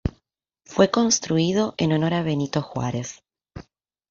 Fue construido en honor a Benito Juárez.